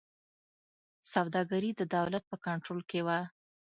سوداګري د دولت په کنټرول کې وه.